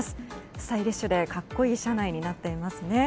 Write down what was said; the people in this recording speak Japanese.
スタイリッシュで格好いい車内になっていますね。